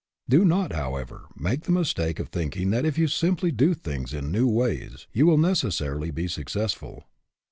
Do not, however, make the mistake ORIGINALITY 169 of thinking that if you simply do things in new ways you will necessarily be successful.